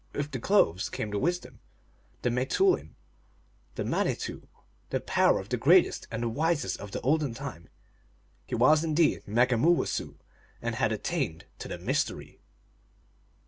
With the clothes came the wisdom, the rrfteoidin, the mani tou power of the greatest and wisest of the olden time. He was indeed Megumoowessoo, and had at tained to the Mystery.